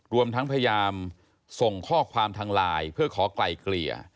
รวมทั้งพยายามส่งข้อความทางไลน์เพื่อขอไกลเกลี่ย